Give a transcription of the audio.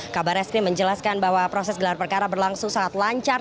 kabar eskrim menjelaskan bahwa proses gelar perkara berlangsung sangat lancar